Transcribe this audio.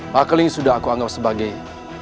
pak keling sudah aku anggap sebagai